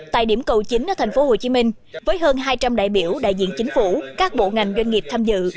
tại điểm cầu chính ở tp hcm với hơn hai trăm linh đại biểu đại diện chính phủ các bộ ngành doanh nghiệp tham dự